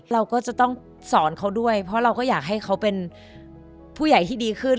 เราก็จะต้องสอนเขาด้วยเพราะเราก็อยากให้เขาเป็นผู้ใหญ่ที่ดีขึ้น